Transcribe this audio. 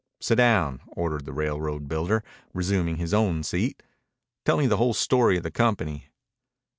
"Sit down," ordered the railroad builder, resuming his own seat. "Tell me the whole story of the company."